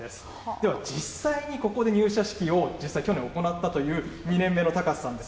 では実際にここで入社式を、実際去年行ったという２年目の高瀬さんです。